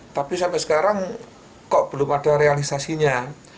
tapi sampai sekarang kok belum ada realisasinya